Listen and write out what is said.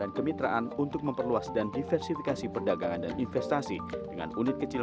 dan kemitraan untuk memperluas dan diversifikasi perdagangan dan investasi dengan unit kecil